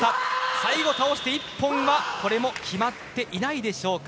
最後倒して１本は、これも決まっていないでしょうか。